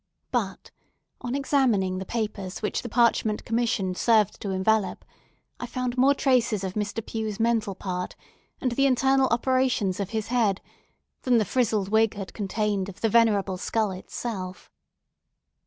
But, on examining the papers which the parchment commission served to envelop, I found more traces of Mr. Pue's mental part, and the internal operations of his head, than the frizzled wig had contained of the venerable skull itself.